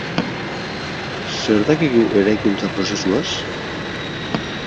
Zer dakigu eraikuntza prozesuaz?